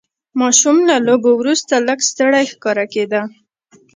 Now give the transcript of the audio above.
ماشوم له لوبو وروسته لږ ستړی ښکاره کېده.